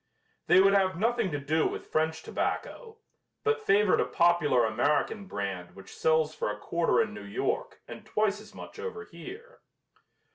They would have nothing to do with French tobacco, but favored a popular American brand which sells for a quarter in New York and twice as much over here.